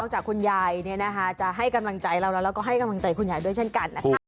จากคุณยายจะให้กำลังใจเราแล้วแล้วก็ให้กำลังใจคุณยายด้วยเช่นกันนะคะ